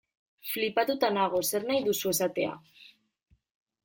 Flipatuta nago, zer nahi duzu esatea.